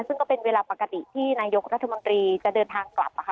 ซึ่งก็เป็นเวลาปกติที่นายกรัฐมนตรีจะเดินทางกลับ